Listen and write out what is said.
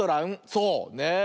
そうねえ。